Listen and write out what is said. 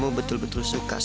ini belum pernah kan